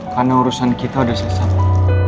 karena urusan kita udah selesai